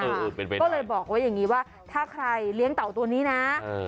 ก็เลยบอกไว้อย่างนี้ว่าถ้าใครเลี้ยงเต่าตัวนี้นะเออ